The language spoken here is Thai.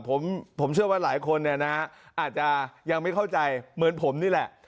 ผมเชื่อว่าหลายคนเนี่ยนะอาจจะยังไม่เข้าใจเหมือนผมนี่แหละ